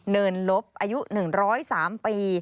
เนินลบอายุ๑๐๓ปี